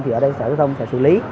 thì ở đây sở giao thông sẽ xử lý